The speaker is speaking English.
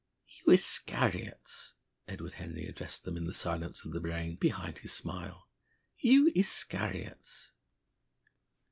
"You Iscariots!" Edward Henry addressed them, in the silence of the brain, behind his smile. "You Iscariots!"